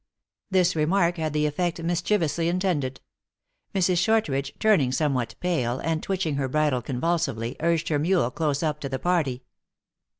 This remark had the effect mischievously intended. Mrs. Shortridge, turning somewhat pale, and twitch ing her bridle convulsively, urged her mule close up to the party.